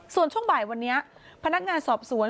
ส่วนช่วงบ่ายวันนี้พนักงานสอบสวน